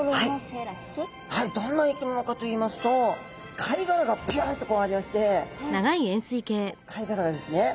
はいどんな生き物かといいますと貝殻がピュッとありまして貝殻がですね。